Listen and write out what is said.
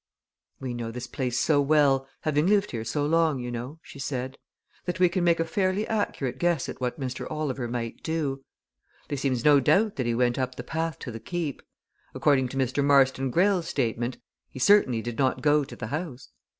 "We know this place so well having lived here so long, you know," she said, "that we can make a fairly accurate guess at what Mr. Oliver might do. There seems no doubt that he went up the path to the Keep. According to Mr. Marston Greyle's statement, he certainly did not go to the house.